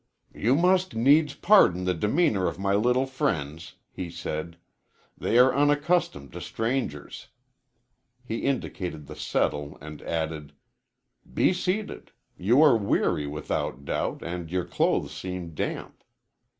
"You must needs pardon the demeanor of my little friends," he said. "They are unaccustomed to strangers." He indicated the settle, and added: "Be seated. You are weary, without doubt, and your clothes seem damp."